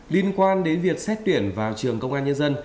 liên quan đến việc xét tuyển vào trường công an nhân dân